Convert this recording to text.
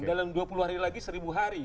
dalam dua puluh hari lagi seribu hari